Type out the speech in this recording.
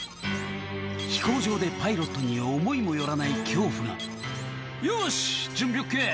飛行場でパイロットに思いも寄らない恐怖が「よし準備ＯＫ